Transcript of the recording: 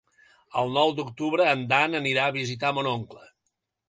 El nou d'octubre en Dan anirà a visitar mon oncle.